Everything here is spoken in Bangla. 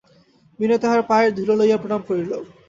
বিনয় তাঁহার পায়ের ধুলা লইয়া প্রণাম করিল।